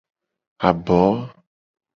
Abo.